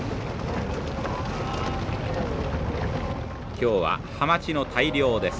今日はハマチの大漁です。